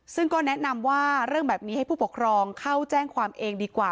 ซึ่งก็แนะนำว่าเรื่องแบบนี้ให้ผู้ปกครองเข้าแจ้งความเองดีกว่า